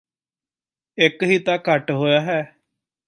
ਇਕ ਹੀ ਤਾਂ ਘੱਟ ਹੋਇਆ ਹੈ